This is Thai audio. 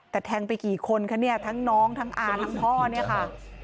แต่แทงไปกี่คนคะเนี่ยทั้งน้องทั้งอาทั้งพ่อเนี่ยค่ะ